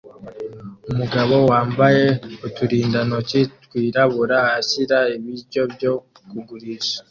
Umugabo wambaye uturindantoki twirabura ashyira ibiryo byo kugurisha